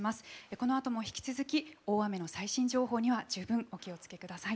このあとも引き続き大雨の最新情報には十分お気を付けください。